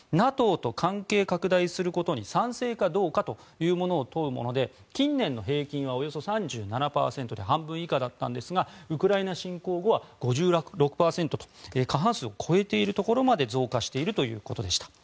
ＮＡＴＯと関係拡大することに賛成かどうかというものを問うもので近年の平均はおよそ３７％で半分以下だったんですがウクライナ侵攻後は５６％と過半数を超えているところまで増加しているということでした。